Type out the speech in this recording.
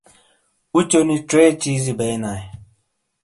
اوچو نی ڇے چیزی بینائ۔